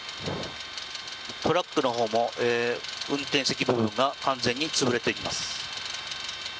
トラックの方も運転席部分が完全につぶれています。